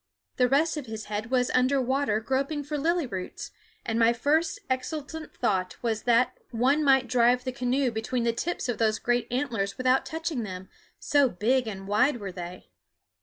The rest of his head was under water groping for lily roots, and my first exultant thought was that one might drive the canoe between the tips of those great antlers without touching them, so big and wide were they.